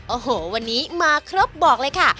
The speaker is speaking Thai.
โอ้โหวันนี้มาครบบอกเลยค่ะ